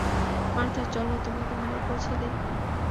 Martha, চলো তোমাকে বাড়ি পৌঁছে দিই।